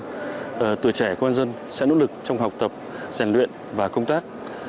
từ tuổi trẻ công an nhân sẽ nỗ lực trong học tập giàn luyện và công tác